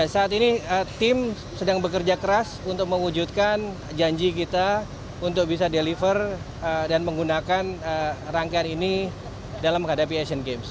saat ini tim sedang bekerja keras untuk mewujudkan janji kita untuk bisa deliver dan menggunakan rangkaian ini dalam menghadapi asian games